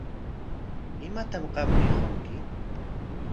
¿Imatam qam ñirqunki?